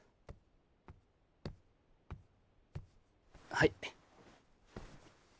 はい。